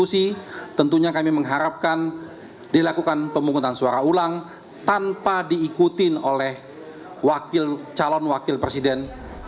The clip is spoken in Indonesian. kita tidak ulang tanpa diikuti oleh calon wakil presiden dua